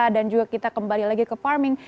dan juga kita kembali lagi ke farming